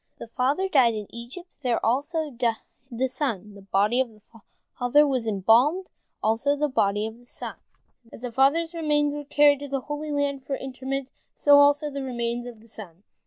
The father died in Egypt, there died also the son. The body of the father was embalmed, also the body of the son. As the father's remains were carried to the Holy Land for interment, so also the remains of the son.